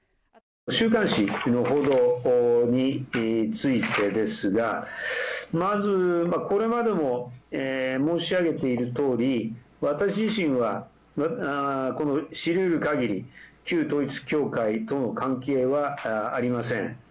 週刊誌の報道についてですが、まず、これまでも申し上げているとおり、私自身は、この知りうるかぎり、旧統一教会との関係はありません。